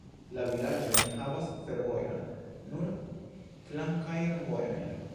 La vilaĝo ne havas fervojon, nur flankajn vojojn.